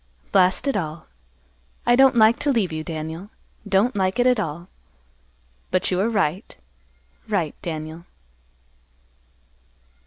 Blast it all! I don't like to leave you, Daniel. Don't like it at all. But you are right, right, Daniel."